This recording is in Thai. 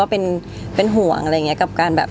แล้วก็เป็นห่วงอะไรอย่างเงี้ยกับการแบบ